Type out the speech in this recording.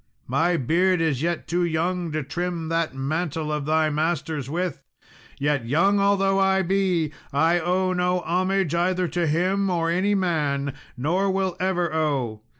My beard is yet too young to trim that mantle of thy master's with; yet, young although I be, I owe no homage either to him or any man nor will ever owe.